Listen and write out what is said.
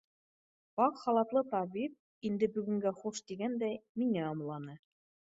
— Аҡ халатлы табип, инде бөгөнгә хуш тигәндәй, миңә ымланы.